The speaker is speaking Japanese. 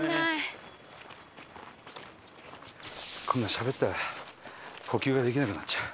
伊達：こんなにしゃべったら呼吸ができなくなっちゃう。